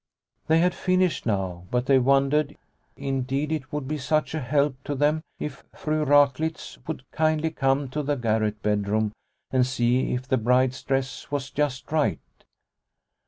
They had finished now, but they wondered Indeed it would be such a help to them if Fru Raklitz would kindly come to the garret bedroom and see if the bride's dress was just right.